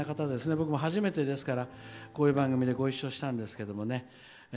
僕も初めて、こういう番組でご一緒したんですけどね。